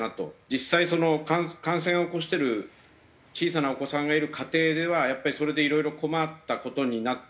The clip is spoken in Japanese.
実際感染を起こしてる小さなお子さんがいる家庭ではやっぱりそれでいろいろ困った事になっていますから。